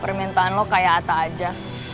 permintaan lo kayak apa aja